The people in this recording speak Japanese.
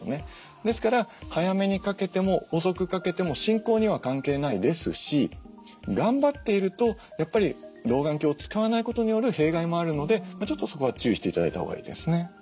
ですから早めに掛けても遅く掛けても進行には関係ないですし頑張っているとやっぱり老眼鏡を使わないことによる弊害もあるのでちょっとそこは注意して頂いたほうがいいですね。